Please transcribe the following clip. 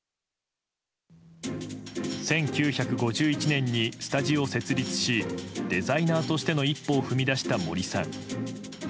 １９５１年にスタジオを設立しデザイナーとしての一歩を踏み出した森さん。